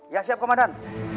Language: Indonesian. ya siap komandan